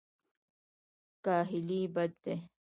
کاهلي بد دی.